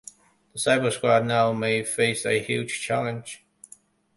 The Cybersquad now may face a huge challenge.